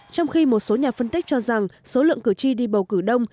trong khi một số nhà phân tích cho rằng số lượng cử tri đi bầu cử đông